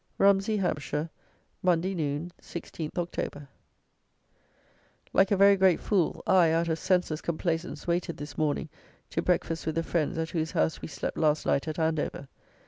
Rumsey (Hampshire), Monday Noon, 16th Oct. Like a very great fool, I, out of senseless complaisance, waited, this morning, to breakfast with the friends, at whose house we slept last night, at Andover.